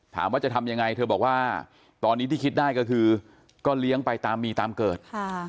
ถามว่าจะทำยังไงเธอบอกว่าตอนนี้ที่คิดได้ก็คือก็เลี้ยงไปตามมีตามเกิด